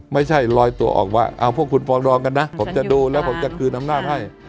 ไม่ใช่ลอยตัวออกมาเอาพวกคุณฟองรองกันนะผมจะดูแล้วผมจะคืนอำนาจให้